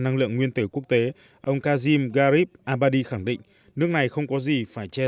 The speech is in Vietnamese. năng lượng nguyên tử quốc tế ông kazim garib abadi khẳng định nước này không có gì phải che